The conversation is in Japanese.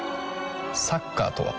サッカーとは？